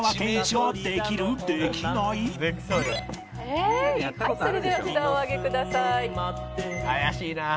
「はいそれでは札をお上げください」